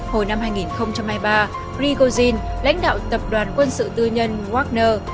và grigozin lãnh đạo tập đoàn quân sự tư nhân wagner